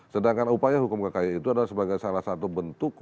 sedangkan upaya hukum kk itu adalah sebagai salah satu bentuk